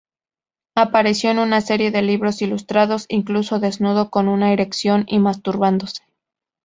Apareció en una serie de libros ilustrados, incluso desnudo, con una erección, y masturbándose.